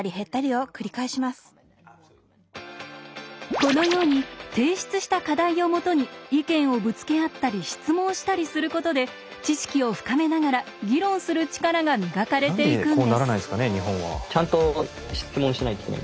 このように提出した課題をもとに意見をぶつけ合ったり質問したりすることで知識を深めながら議論する力が磨かれていくんです。